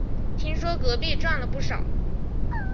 听说隔壁赚了不少